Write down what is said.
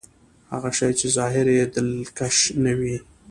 هغه شی چې ظاهر يې دلکش نه وي.